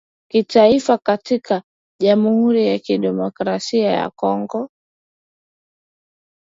kitaifa katika Jamhuri ya Kidemokrasia ya Kongo